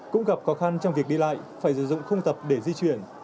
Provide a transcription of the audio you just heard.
cũng gặp khó khăn trong việc đi lại phải dùng khung tập để di chuyển